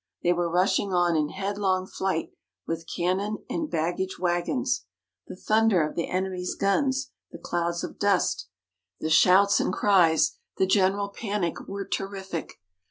They were rushing on in headlong flight, with cannon and baggage wagons. The thunder of the enemy's guns, the clouds of dust, the shouts and cries, the general panic, were terrific.